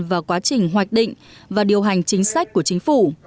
vào quá trình hoạch định và điều hành chính sách của chính phủ